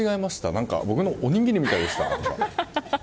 何か、僕のはおにぎりみたいでした。